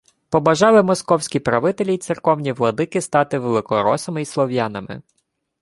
Побажали московські правителі й церковні владики стати великоросами і слов'янами